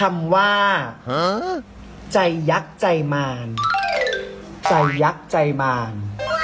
เอ้าเคียนใจยักษ์ใจหมาน